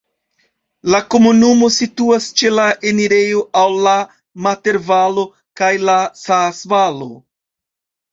La komunumo situas ĉe la enirejo al la Mater-Valo kaj la Saas-Valo.